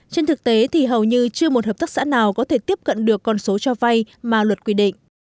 trên thực tế thì hầu như chưa một hợp tác xã nào có thể tiếp cận được con số cho vay mà luật quy định